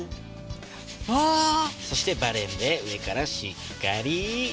そしてバレンで上からしっかり。